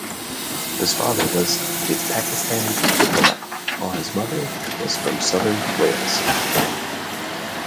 His father was a Pakistani diplomat while his mother was from Southern Wales.